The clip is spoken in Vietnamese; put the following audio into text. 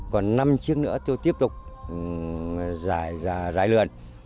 còn năm chiếc nữa tôi tiếp tục giải lươn